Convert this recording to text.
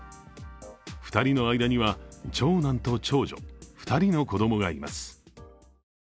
２人の間には長男と長女２人の子供がいます。